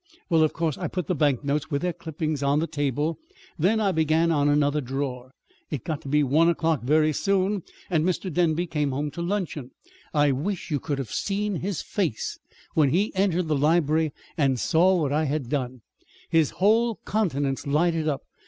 Well, of course I put the bank notes with their clippings on the table; then I began on another drawer. It got to be one o'clock very soon, and Mr. Denby came home to luncheon. I wish you could have seen his face when he entered the library and saw what I had done. His whole countenance lighted up.